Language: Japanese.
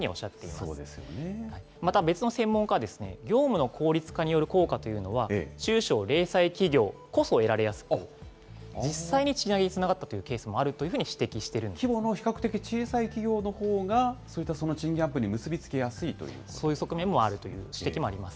また別の専門家は、業務の効率化による効果というのは、中小・零細企業こそ得られやすく、実際に賃上げにつながったというケースもあるというふうに指摘して規模の比較的小さい企業のほうが、そういった賃金アップに結びつけやすいということなんです